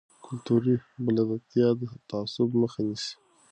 کلتوري بلدتیا د تعصب مخه نیسي.